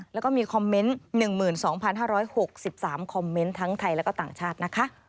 แล้วก็มีคอมเมนต์๑๒๕๖๓คอมเมนต์ทั้งไทยและก็ต่างชาตินะคะ